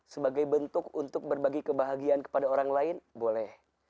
sebagai bentuk untuk berbagi kebahagiaan kepada orang lain boleh